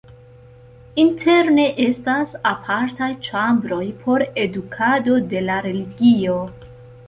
Interne estas apartaj ĉambroj por edukado de la religio.